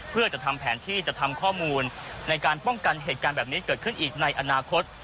เพื่อจะทำแผนที่จะทำข้อมูลในการป้องกันเหตุการณ์แบบนี้เกิดขึ้นอีกในอนาคต